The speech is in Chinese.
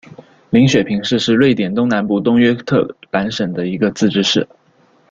林雪平市是瑞典东南部东约特兰省的一个自治市。